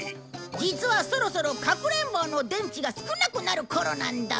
実はそろそろかくれん棒の電池が少なくなる頃なんだ。